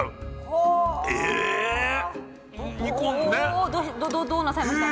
おどうなさいました？